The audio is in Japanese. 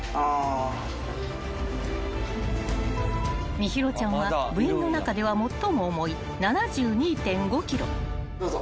［心優ちゃんは部員の中では最も重い７２．５ｋｇ］どうぞ。